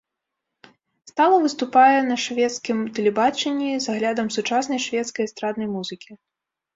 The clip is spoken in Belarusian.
Стала выступае на шведскім тэлебачанні з аглядам сучаснай шведскай эстраднай музыкі.